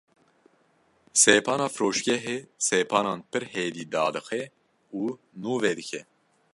Sepana firoşgehê sepanan pir hêdî dadixe û nûve dike